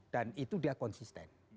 dan itu dia konsisten